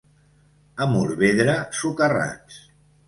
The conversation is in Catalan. A Morvedre, socarrats.